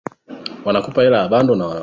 e unakaa hapa au tumekutana tu hapa